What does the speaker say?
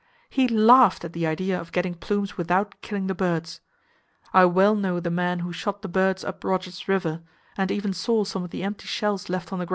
He laughed at the idea of getting plumes without killing the birds! I well know the man who shot the birds up Rogers River, and even saw some of the empty shells left on the ground by him.